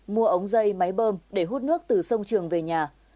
mua ống dây máy bơm để hút nước từ sông trường về nhà